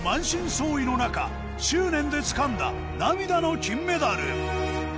創痍の中執念でつかんだ涙の金メダル